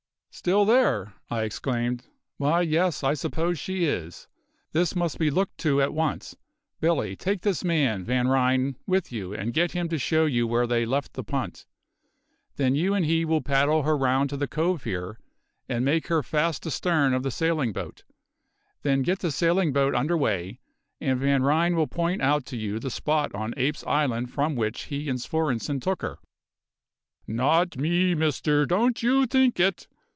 "Still there!" I exclaimed. "Why yes I suppose she is. This must be looked to at once. Billy, take this man, Van Ryn, with you, and get him to show you where they left the punt. Then you and he will paddle her round to the cove here, and make her fast astern of the sailing boat. Then get the sailing boat under way, and Van Ryn will point out to you the spot on Apes' Island from which he and Svorenssen took her " "Nod me, misder; don'd you think id!"